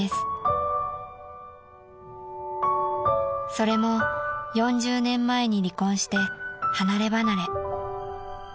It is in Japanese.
［それも４０年前に離婚して離れ離れ］